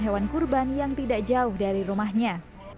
hewan kurban yang tidak jauh dari rumahnya